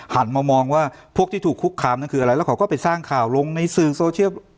หันมามองว่าพวกที่ถูกคุกคามนั่นคืออะไรแล้วเขาก็ไปสร้างข่าวลงในสื่อโซเชียล